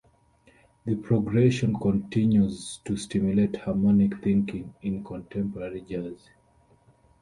The progression continues to stimulate harmonic thinking in contemporary jazz.